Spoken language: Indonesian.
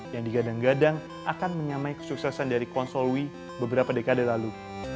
yang digadang gadang akan menyamai kesuksesan dari konsolwi beberapa dekade lalu